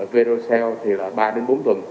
virocell thì là ba đến bốn tuần